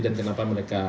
dan kenapa mereka